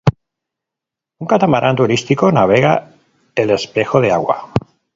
Un catamarán turístico navega el espejo de agua.